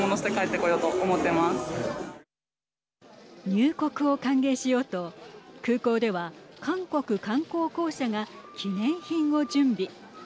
入国を歓迎しようと空港では韓国観光公社が記念品を準備。